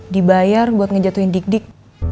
dibayar buat ngejatuhin dik dik